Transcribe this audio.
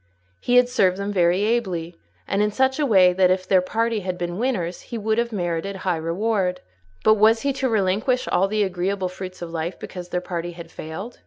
He had served them very ably, and in such a way that if their party had been winners he would have merited high reward; but was he to relinquish all the agreeable fruits of life because their party had failed?